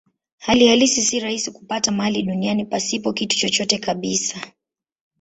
Hali halisi si rahisi kupata mahali duniani pasipo kitu chochote kabisa.